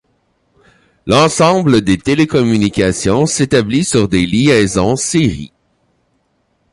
L'ensemble des télécommunications s'établit sur des liaisons série.